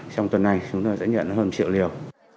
trong tuần này chúng tôi sẽ nhận hơn triệu liều